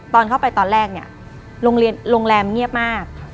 ตอนเข้าไปตอนแรกเนี่ยโรงแรมเงียบมาก